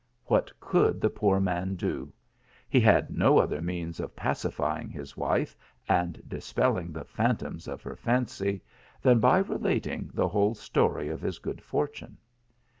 What could the poor man do ? He had no other THE MOOR S LEGACY. 175 nuans ol pacifying 1 his wife and dispelling the phantoms of her fancy, than by relating the whole story of his good fortune.